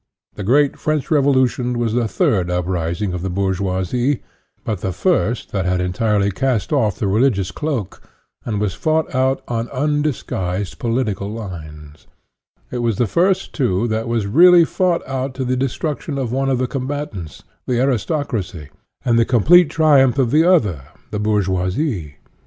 The great French Revolution was the third up rising of the bourgeoisie, but the first that had entirely cast off the religious cloak, and was fought out on undisguised political lines; it was the first, too, that was really fought out to the destruction of one of the combatants, the aris tocracy, and the complete triumph of the other, the bourgeoisie.